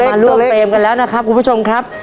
มาร่วมเฟรมกันแล้วนะครับคุณผู้ชมครับ